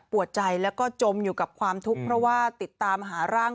ใจแล้วก็จมอยู่กับความทุกข์เพราะว่าติดตามหาร่าง